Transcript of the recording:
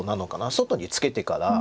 外にツケてから。